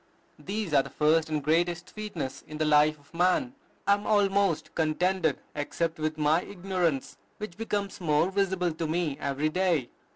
These are the first and greatest sweetness in the life of man.... I am almost contented except with my ignorance, which becomes more visible to me every day."